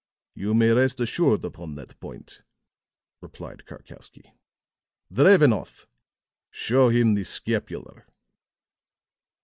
"You may rest assured upon that point," replied Karkowsky. "Drevenoff, show him the scapular."